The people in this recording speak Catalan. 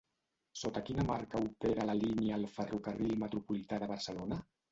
Sota quina marca opera la línia el Ferrocarril Metropolità de Barcelona?